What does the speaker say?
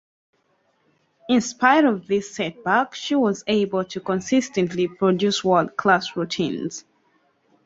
In spite of this setback, she was able to consistently produce world-class routines.